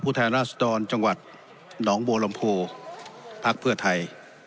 แทนราชดรจังหวัดหนองบัวลำโพภักดิ์เพื่อไทย